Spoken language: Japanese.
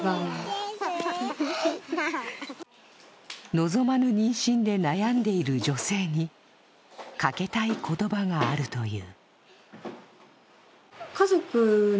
望まぬ妊娠で悩んでいる女性にかけたい言葉があるという。